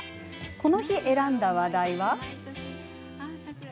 この日、選んだ話題は。